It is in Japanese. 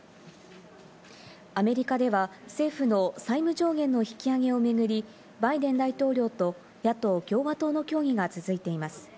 アメリカでは、政府の債務上限の引き上げをめぐり、バイデン大統領と野党・共和党の協議が続いています。